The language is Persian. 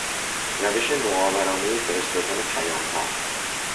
روش نوآورانهی فرستادن پیامها